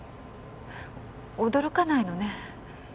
驚かないのね。